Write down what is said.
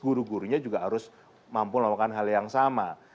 guru gurunya juga harus mampu melakukan hal yang sama